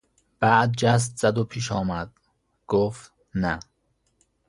بعد جست زد و پیش آمد، گفت: نه